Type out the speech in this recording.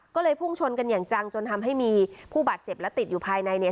ก็เลยพุ่งชนกันอย่างจังจนทำให้มีผู้บาดเจ็บและติดอยู่ภายในเนี่ย